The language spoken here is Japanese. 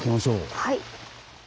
はい。